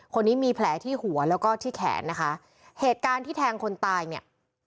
คนนี้มีแผลที่หัวแล้วก็ที่แขนนะคะเหตุการณ์ที่แทงคนตายเนี่ย